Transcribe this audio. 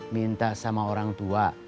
minta sama orang tua